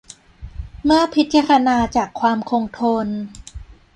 เมื่อพิจารณาจากความคงทน